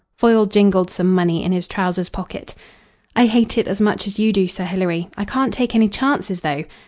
Foyle jingled some money in his trousers pocket. "I hate it as much as you do, Sir Hilary. I can't take any chances, though.